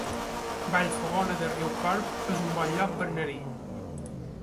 Vallfogona de Riucorb es un bon lloc per anar-hi